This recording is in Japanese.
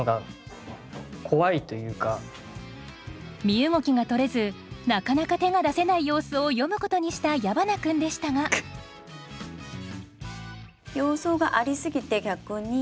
身動きがとれずなかなか手が出せない様子を詠むことにした矢花君でしたが要素がありすぎて逆に臨場感が。